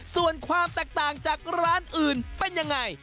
ส่วนความแตกต่างจากร้านอื่นเป็นยังไง